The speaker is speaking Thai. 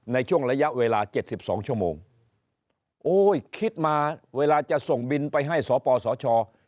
ในช่วงระยะเวลาเจ็ดสิบสองชั่วโมงโอ้ยคิดมาเวลาจะส่งบินไปให้สปสช